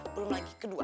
belum lagi kedua